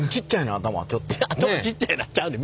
頭ちっちゃいなちゃうねん。